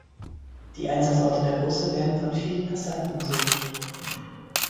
Die Einsatzorte der Busse werden von vielen Passanten besucht.